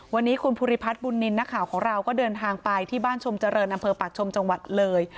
วันนี้คุณภูริพัฒน์บุญนินทร์นักข่าวของเราก็เดินทางไปที่บ้านชมเจริญอำเภอปากชมจังหวัดเลย